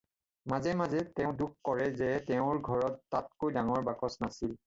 মাজে মাজে, তেওঁ দুখ কৰে যে তেওঁৰ ঘৰত তাতকৈ ডাঙৰ বাকচ নাছিল।